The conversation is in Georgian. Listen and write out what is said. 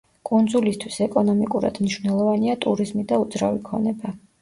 კუნძულისთვის ეკონომიკურად მნიშვნელოვანია ტურიზმი და უძრავი ქონება.